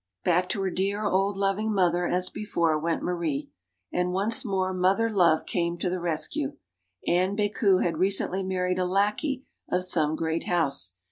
Back to her dear, old loving mother, as before, went Marie. And once more mother love came to the res cue. Anne Becu had recently married a lackey of some great house.